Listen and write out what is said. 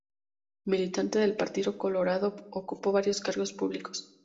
Militante del Partido Colorado, ocupó varios cargos públicos.